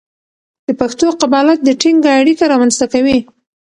د پښتو قبالت د ټینګه اړیکه رامنځته کوي.